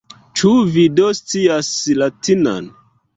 Ĉu vi do scias latinan?